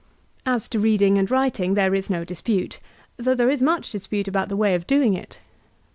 As to reading and writing there is no dispute, though there is much dispute about the way of doing it.